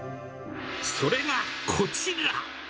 それがこちら。